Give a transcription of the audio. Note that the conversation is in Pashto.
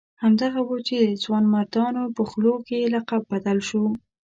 همدغه وو چې د ځوانمردانو په خولو کې یې لقب بدل شو.